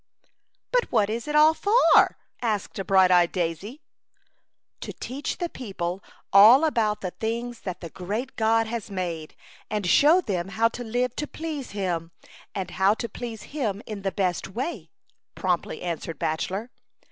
"But what is it all for?" asked a bright eyed daisy. "To teach the people all about the things that the great God has made, A Chautauqua Idyl. 17 and show them how to live to please Him, and how to please Him in the best way/' promptly answered Bach elor.